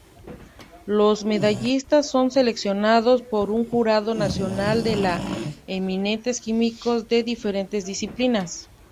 Los medallistas son seleccionados por un jurado nacional de eminentes químicos de diferentes disciplinas.